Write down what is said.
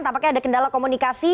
tampaknya ada kendala komunikasi